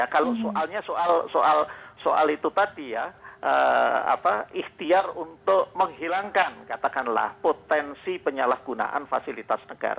kalau soalnya soal itu tadi ya ikhtiar untuk menghilangkan katakanlah potensi penyalahgunaan fasilitas negara